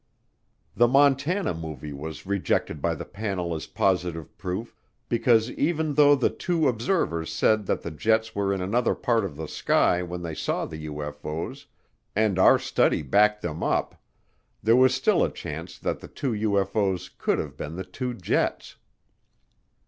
The Montana Movie was rejected by the panel as positive proof because even though the two observers said that the jets were in another part of the sky when they saw the UFO's and our study backed them up, there was still a chance that the two UFO's could have been the two jets.